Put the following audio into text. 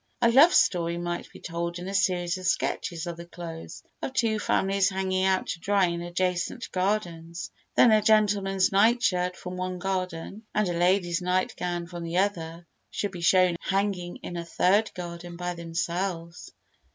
A love story might be told in a series of sketches of the clothes of two families hanging out to dry in adjacent gardens. Then a gentleman's night shirt from one garden, and a lady's night gown from the other should be shown hanging in a third garden by themselves.